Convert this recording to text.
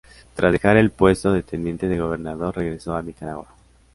Tras dejar el puesto de teniente de gobernador regresó a Nicaragua.